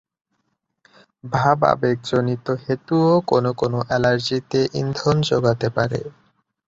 ভাবাবেগজনিত হেতুও কোনো কোনো অ্যালার্জিতে ইন্ধন যোগাতে পারে।